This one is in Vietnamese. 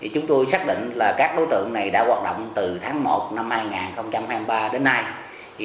chúng tôi xác định là các đối tượng này đã hoạt động từ tháng một năm hai nghìn hai mươi ba đến nay